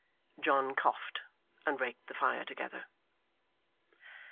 John coughed and raked the fire together.